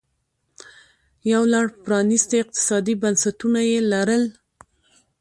یو لړ پرانیستي اقتصادي بنسټونه یې لرل